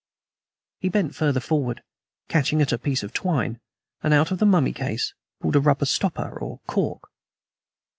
He bent farther forward, catching at a piece of twine, and out of the mummy case pulled a rubber stopper or "cork."